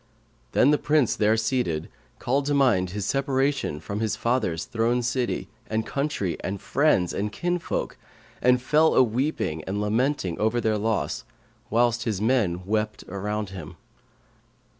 Then the Prince, there seated, called to mind his separation from his father's throne city[FN#540] and country and friends and kinsfolk; and fell a weeping and lamenting over their loss whilst his men wept around him.